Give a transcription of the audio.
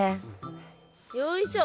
よいしょ。